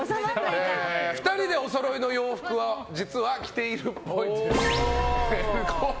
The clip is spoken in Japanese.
２人でお揃いの洋服を実は着ているっぽい。